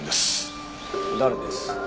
誰です？